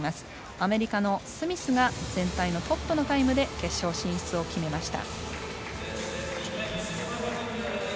アメリカのスミスが全体のトップのタイムで決勝進出を決めました。